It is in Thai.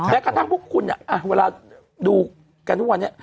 แต่กระทั่งพวกคุณเวลาดูกันทุกวันนี้